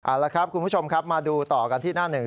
เอาละครับคุณผู้ชมครับมาดูต่อกันที่หน้าหนึ่ง